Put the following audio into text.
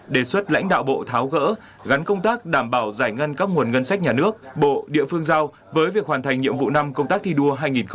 đề xuất lãnh đạo bộ tháo gỡ gắn công tác đảm bảo giải ngân các nguồn ngân sách nhà nước bộ địa phương giao với việc hoàn thành nhiệm vụ năm công tác thi đua hai nghìn hai mươi